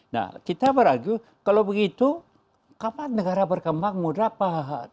nah kita beragiu kalau begitu kapan negara berkembang mudah apa